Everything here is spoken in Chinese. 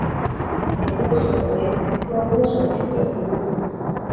野莴苣为菊科莴苣属的植物。